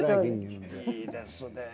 いいですねえ。